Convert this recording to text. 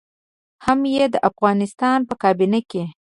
هم يې د افغانستان په کابينه کې.